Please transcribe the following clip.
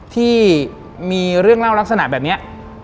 ที่มีเรื่องเล่าลักษณะแบบนี้